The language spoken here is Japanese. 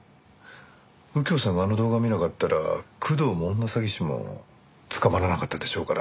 右京さんがあの動画を見なかったら工藤も女詐欺師も捕まらなかったでしょうから。